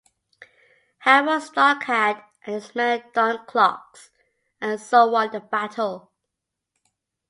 However, Starkad and his men donned clogs and so won the battle.